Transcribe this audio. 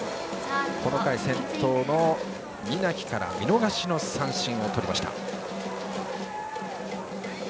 この回先頭の双木から見逃し三振をとりました。